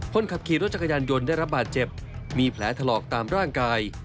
คนขับขี่รถจักรยานยนต์ได้รับบาดเจ็บมีแผลถลอกตามร่างกาย